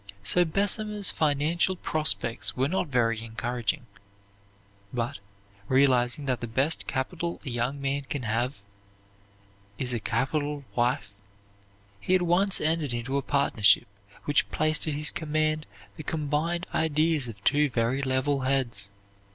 So Bessemer's financial prospects were not very encouraging; but, realizing that the best capital a young man can have is a capital wife, he at once entered into a partnership which placed at his command the combined ideas of two very level heads.